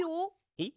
えっ！？